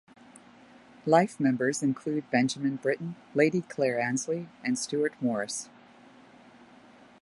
Life members included Benjamin Britten, Lady Clare Annesley and Stuart Morris.